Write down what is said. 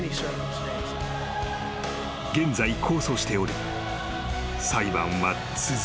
［現在控訴しており裁判は続くと予想される］